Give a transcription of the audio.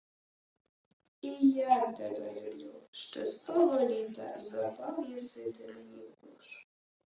— І я тебе люблю. Ще з того літа запав єси мені в душу.